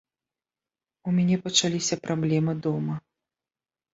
У мяне пачаліся праблемы дома.